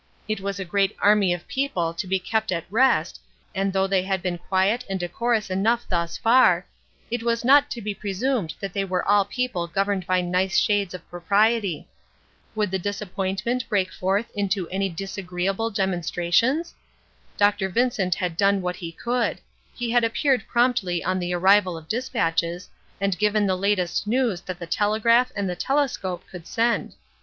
It was a great army of people to be kept at rest, and though they had been quiet and decorous enough thus far, it was not to be presumed that they were all people governed by nice shades of propriety. Would the disappointment break forth into any disagreeable demonstrations? Dr. Vincent had done what he could; he had appeared promptly on the arrival of dispatches, and given the latest news that the telegraph and the telescope would send.